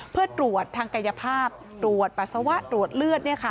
เพื่อตรวจทางกายภาพตรวจปัสสาวะตรวจเลือด